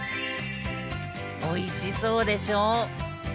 おいしそうでしょう。